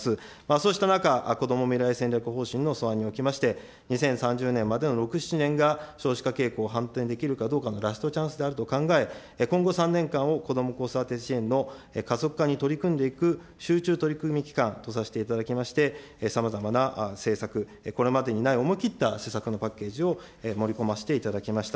そうした中、こども未来戦略方針の素案におきまして、２０３０年までの６、７年が少子化傾向反転できるかどうかのラストチャンスであると考え、今後３年間を子ども・子育て支援の加速化に取り組んでいく集中取り組み期間とさせていただきまして、さまざまな政策、これまでにない思い切った施策のパッケージを盛り込ませていただきました。